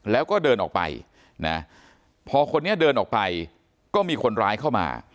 แล้วก็เดินออกไปนะพอคนนี้เดินออกไปก็มีคนร้ายเข้ามา